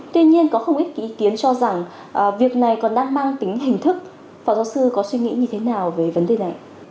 tuy nhiên có không ít ý kiến cho rằng việc này còn đang mang tính hình thức phó giáo sư có suy nghĩ như thế nào về vấn đề này